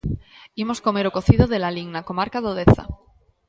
Imos comer o cocido de Lalín, na comarca do Deza.